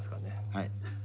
はい。